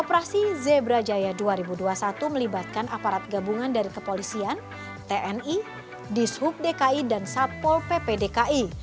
operasi zebra jaya dua ribu dua puluh satu melibatkan aparat gabungan dari kepolisian tni dishub dki dan satpol pp dki